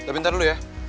tapi ntar dulu ya